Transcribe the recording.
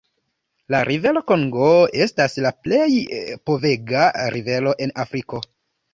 La rivero Kongo estas la plej povega rivero en Afriko.